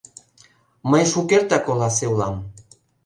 Мый шукертак оласе улам.